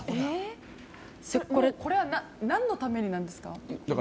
これは何のためなんですか？